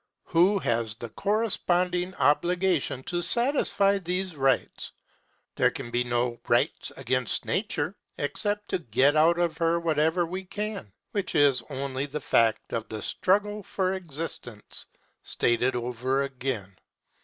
Who has the corresponding obligation to satisfy these rights? There can be no rights against Nature, except to get out of her whatever we can, which is only the fact of the struggle for existence stated over again.